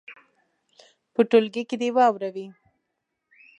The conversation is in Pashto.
په ټولګي کې دې یې واوروي.